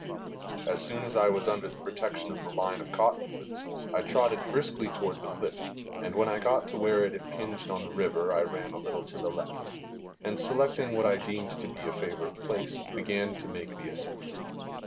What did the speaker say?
As soon as I was under the protection of the line of cottonwoods, I trotted briskly toward the cliff, and when I got to where it impinged on the river I ran a little to the left, and, selecting what I deemed to be a favorable place, began to make the ascent.